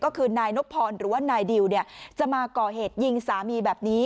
ก็คือนายนบพรหรือว่านายดิวจะมาก่อเหตุยิงสามีแบบนี้